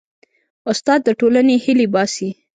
استاد د ټولنې هیلې باسي.